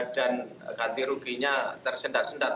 dan keganti ruginya tersendat sendat